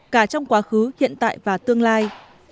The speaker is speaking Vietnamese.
cả trong quá khứ hiện tại và tương lai